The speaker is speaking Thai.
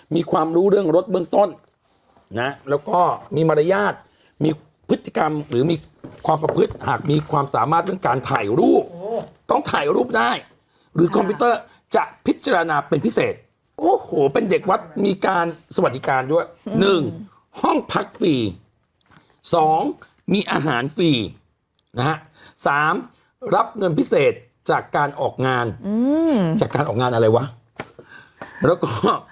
มีความรู้เรื่องรถเบื้องต้นนะแล้วก็มีมารยาทมีพฤติกรรมหรือมีความประพฤติหากมีความสามารถเรื่องการถ่ายรูปต้องถ่ายรูปได้หรือคอมพิวเตอร์จะพิจารณาเป็นพิเศษโอ้โหเป็นเด็กวัดมีการสวัสดิการด้วย๑ห้องพักฟรีสองมีอาหารฟรีนะฮะสามรับเงินพิเศษจากการออกงานอืมจากการออกงานอะไรวะแล้วก็